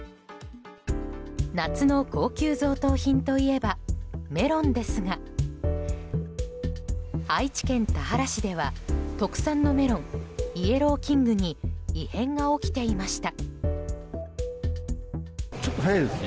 夏の高級贈答品といえばメロンですが愛知県田原市では特産のメロン、イエローキングに異変が起きていました。